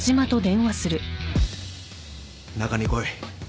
中に来い。